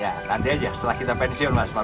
ya nanti aja setelah kita pensiun mas